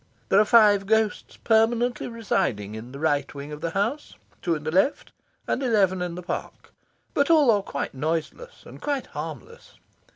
There are five ghosts permanently residing in the right wing of the house, two in the left, and eleven in the park. But all are quite noiseless and quite harmless.